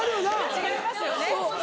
違いますよね。